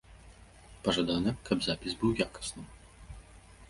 Пажадана, каб запіс быў якасным.